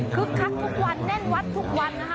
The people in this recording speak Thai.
คึกคักก็แล้วแน่นวัดทุกวันนะฮะ